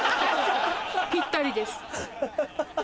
ぴったりです。